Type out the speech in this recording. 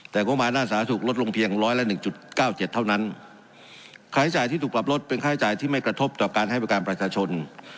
แต่งบมารด้านสาธารณสุขลดลงเพียงร้อยละหนึ่งจุดเก้าเจ็ดเท่านั้นค่าใช้จ่ายที่ถูกปรับลดเป็นค่าใช้จ่ายที่ไม่กระทบต่อการให้บริการประชาชน